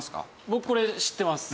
僕これ知ってます。